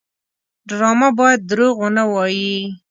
ډرامه باید دروغ ونه وایي